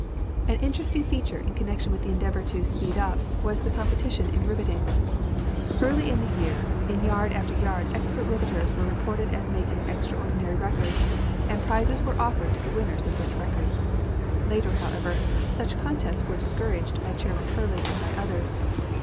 An interesting feature in connection with the endeavor to "speed up" was the competition in riveting. Early in the year in yard after yard expert riveters were reported as making extraordinary records, and prizes were offered to the winners of such records. Later, however, such contests were discouraged by Chairman Hurley and by others.